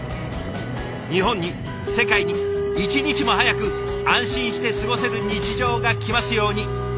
日本に世界に一日も早く安心して過ごせる日常が来ますように。